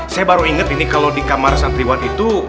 saya baru ingat ini kalau di kamar santriwan itu